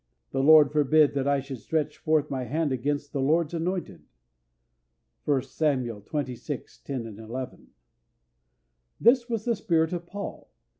The Lord forbid that I should stretch forth my hand against the Lord's anointed" (1 Samuel xxvi. 10, 11). This was the spirit of Paul.